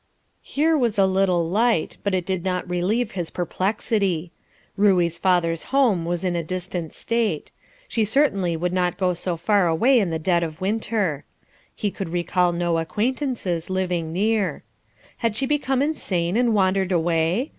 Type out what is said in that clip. Here was a little light, but it did not relieve his perplexity. Ruey's father's home was in a distant State. She certainly would not go so far away in the dead of winter. He could recall no acquaintances living near. Had she become insane and wandered away?